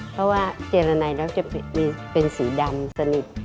เพราะว่าเจรนัยแล้วจะมีเป็นสีดำสนิท